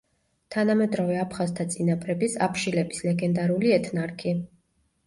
თანამედროვე აფხაზთა წინაპრების, აფშილების ლეგენდარული ეთნარქი.